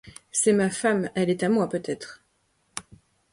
C'est ma femme, elle est à moi peut-être!